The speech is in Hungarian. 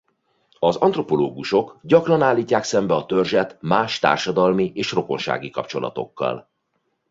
Az antropológusok gyakran állítják szembe a törzset más társadalmi és rokonsági kapcsolatokkal.